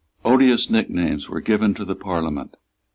Odious nicknames were given to the Parliament.